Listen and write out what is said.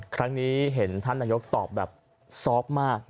ครั้งนี้เห็นท่านนายกตอบแบบซอฟต์มาก